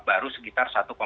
baru sekitar satu lima